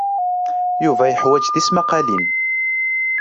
Yuba yeḥwaj tismaqqalin.